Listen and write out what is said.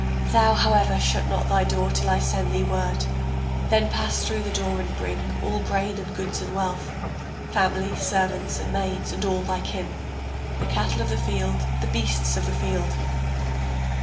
] Thou, however, shut not thy door till I shall send thee word. Then pass through the door and bring All grain and goods and wealth, Family, servants and maids and all thy kin, The cattle of the field, the beasts of the field.